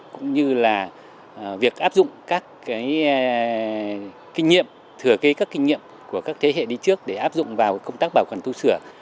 cũng như là việc áp dụng các kinh nghiệm thừa kế các kinh nghiệm của các thế hệ đi trước để áp dụng vào công tác bảo quản tu sửa